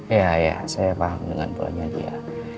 iya ya saya paham dengan polanya dia